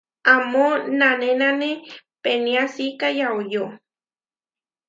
Amó nanénane peniásika yauyó.